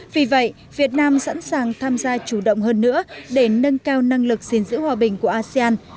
vì vậy việt nam sẵn sàng tham gia chủ động hơn nữa để nâng cao năng lực xin giữ hòa bình của asean